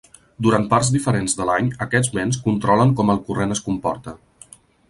Durant parts diferents de l'any aquests vents controlen com el corrent es comporta.